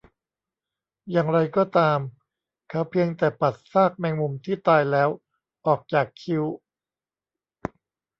อย่างไรก็ตาม เขาเพียงแต่ปัดซากแมงมุมที่ตายแล้วออกจากคิ้ว